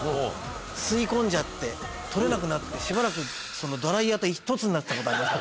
吸い込んじゃって取れなくなってしばらくドライヤーと１つになってたことありましたね。